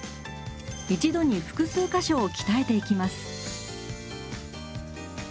一度に複数か所を鍛えていきます。